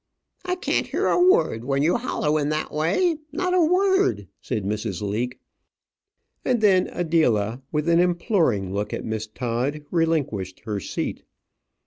"I can't hear a word, when you hollo in that way, not a word," said Mrs. Leake. And then Adela, with an imploring look at Miss Todd, relinquished her seat.